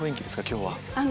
今日は。